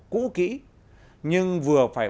cũ kỹ nhưng vừa phải